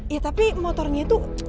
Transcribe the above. ya tapi motornya tuh